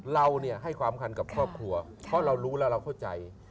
เราให้ความคันกับครอบครัวเพราะเรารู้แล้วเราเข้าใจ